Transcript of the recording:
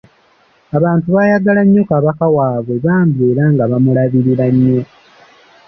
Abantu baayagala nnyo Kabaka waabwe bambi era nga bamulabirira nnyo.